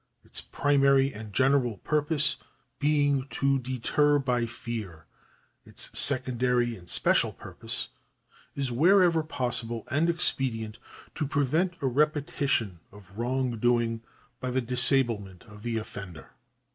Its primary and general purpose being to deter by fear, its secondary and special purpose is, wherever possible and 76 THE ADMINISTRATION OF JUSTICE [§29 expedient, to prevent a repetition of wrongdoing by the dis ablement of the offender.